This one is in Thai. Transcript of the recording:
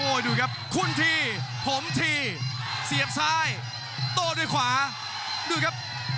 ดูครับคุณทีผมทีเสียบซ้ายโต้ด้วยขวาดูครับ